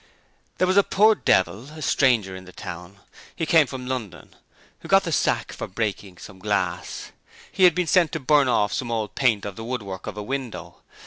There was a poor devil a stranger in the town; he came from London who got the sack for breaking some glass. He had been sent to 'burn off' some old paint of the woodwork of a window.